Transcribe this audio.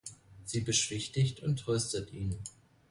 Sie beschwichtigt und tröstet ihn.